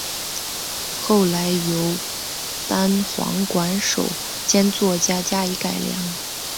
后来由单簧管手兼作曲家加以改良。